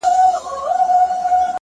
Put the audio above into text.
مثبت فکر د ستونزو بار سپکوي